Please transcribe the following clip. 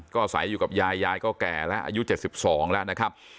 ก็ใส่อยู่กับยายยายก็แก่แล้วอายุเจ็ดสิบสองแล้วนะครับ